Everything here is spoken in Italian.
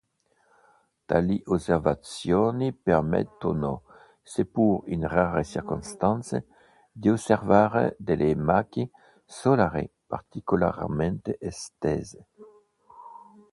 Tali osservazioni permettono, seppure in rare circostanze, di osservare delle macchie solari particolarmente estese.